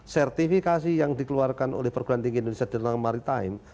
sertifikasi yang dikeluarkan oleh perguruan tinggi indonesia bernama maritime